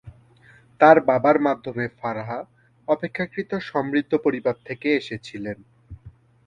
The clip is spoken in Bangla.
তার বাবার মাধ্যমে ফারাহ অপেক্ষাকৃত সমৃদ্ধ পরিবার থেকে এসেছিলেন।